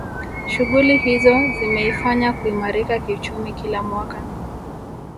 Shughuli hizo zimeifanya kuimarika kiuchumi kila mwaka